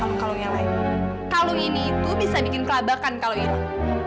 lo kalau jadi babu gak usah berlagu deh